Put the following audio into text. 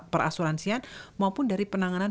perasuransian maupun dari penanganan